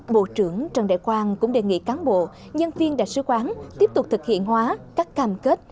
bộ trưởng trần đại quang cũng đề nghị cán bộ nhân viên đại sứ quán tiếp tục thực hiện hóa các cam kết